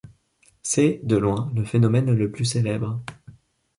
C'est, de loin, le phénomène le plus célèbre.